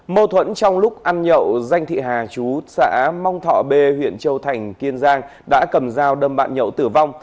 mâu thuẫn trong lúc ăn nhậu danh thị hà chú xã mong thọ b huyện châu thành kiên giang đã cầm dao đâm bạn nhậu tử vong